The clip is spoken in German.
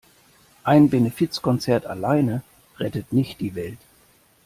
Ein Benefizkonzert alleine rettet nicht die Welt.